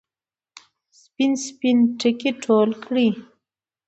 سپین، سپین ټکي ټول کړي